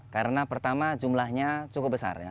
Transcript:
karena pertama jumlahnya cukup besar ya